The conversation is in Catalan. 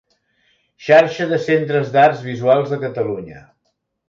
Xarxa de Centres d'Arts Visuals de Catalunya.